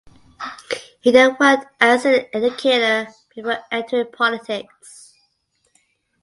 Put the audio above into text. He then worked as an educator before entering politics.